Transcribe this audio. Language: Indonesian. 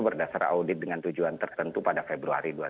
berdasar audit dengan tujuan tertentu pada februari dua ribu dua puluh